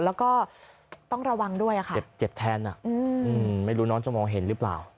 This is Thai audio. แล้วก็ต้องระวังด้วยค่ะเจ็บแทนไม่รู้น้องจะมองเห็นหรือเปล่า